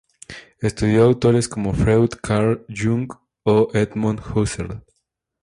Estudió autores como Freud, Carl Jung o Edmund Husserl.